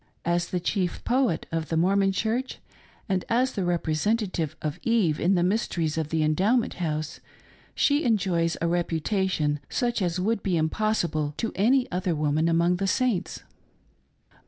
As the chief poet of the Mormon Church, and as the representative of Eve in the mysteries of the Endowment House, she enjoys a reputation such as would be impossible to any other woman among the Saints.